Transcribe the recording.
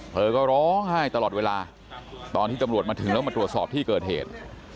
เธอก็ร้องไห้ตลอดเวลาตอนที่ตำรวจมาถึงแล้วมาตรวจสอบที่เกิดเหตุ